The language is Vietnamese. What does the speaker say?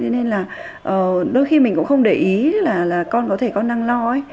nên là đôi khi mình cũng không để ý là con có thể con đang lo ấy